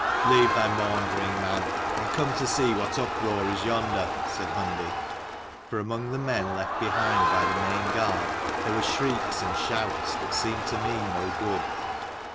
" Leave thy maundering, man, and come to see what uproar is yonder," said Hundi ; for among the men left behind by the main guard there were shrieks and shouts, that seemed to mean no good.